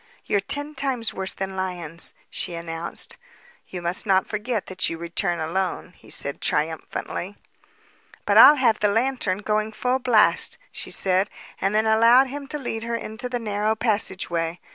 "They're ten times worse than lions," she announced. "You must not forget that you return alone," he said triumphantly. "But I'll have the lantern going full blast," she said, and then allowed him to lead her into the narrow passageway.